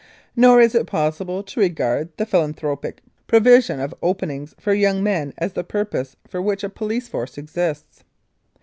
Nor is it possible to regard the philanthropic provision of openings for young men as the purpose for which a police force exists.